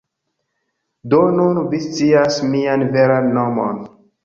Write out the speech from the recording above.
Do nun vi scias mian veran nomon.